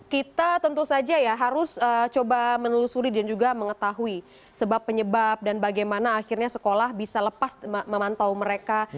kita tentu saja ya harus coba menelusuri dan juga mengetahui sebab penyebab dan bagaimana akhirnya sekolah bisa lepas memantau mereka